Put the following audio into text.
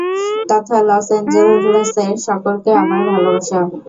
তথা লস এঞ্জেলেসের সকলকে আমার ভালবাসা।